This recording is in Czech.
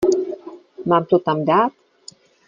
Mám to tam dát?